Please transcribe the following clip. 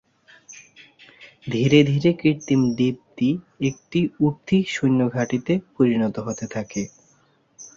ধীরে ধীরে কৃত্রিম দ্বীপটি একটি উঠতি সৈন্য ঘাঁটিতে পরিণত হতে থাকে।